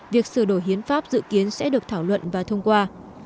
việc sửa đổi hiến pháp dự kiến sẽ được thảo luận và thông qua